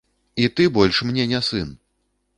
І ты больш мне не сын.